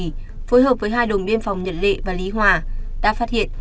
phối hợp với hai đồng biên phòng nhật lệ và lý hòa đã phát hiện